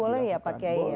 boleh ya pak kiai